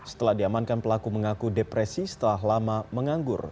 setelah diamankan pelaku mengaku depresi setelah lama menganggur